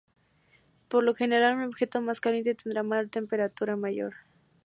Por lo general, un objeto más "caliente" tendrá una temperatura mayor.